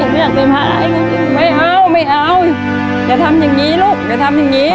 ไม่อยากเป็นพระจริงไม่เอาไม่เอาอย่าทำอย่างนี้ลูกอย่าทำอย่างนี้